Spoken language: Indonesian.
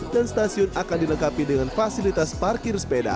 dan stasiun akan dilengkapi dengan fasilitas parkir sepeda